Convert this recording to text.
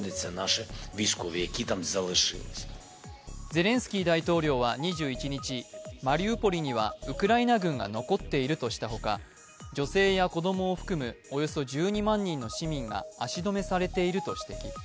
ゼレンスキー大統領は２１日マリウポリにはウクライナ軍が残っているとしたほか女性や子供を含むおよそ１２万人の市民が足止めされていると指摘。